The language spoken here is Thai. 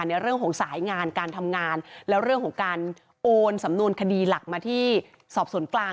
ในเรื่องของสายงานการทำงานแล้วเรื่องของการโอนสำนวนคดีหลักมาที่สอบสวนกลาง